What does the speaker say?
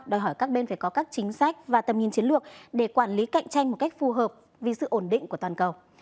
đòi hỏi các bên phải có các chính sách và tầm nhìn chiến lược để quản lý cạnh tranh một cách phù hợp vì sự ổn định của toàn cầu